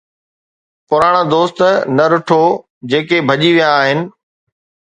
پراڻا دوست نه روئو جيڪي ڀڄي ويا آهن